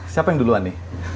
siapa yang duluan nih